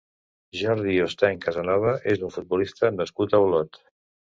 Jordi Hostench Casanova és un futbolista nascut a Olot.